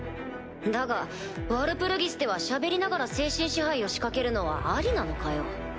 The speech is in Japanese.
だがワルプルギスでは喋りながら精神支配を仕掛けるのはありなのかよ？